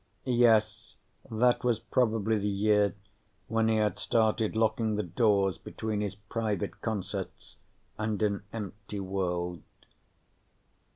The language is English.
Yes, that was probably the year when he had started locking the doors between his private concerts and an empty world.